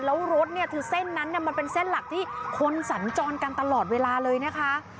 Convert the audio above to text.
แล้วรถเนี่ยคือเส้นนั้นมันเป็นเส้นหลักที่คนสัญจรกันตลอดเวลาเลยนะคะ